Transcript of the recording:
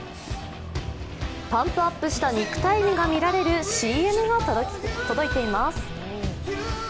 パンプアップした肉体美が見られるＣＭが届いています。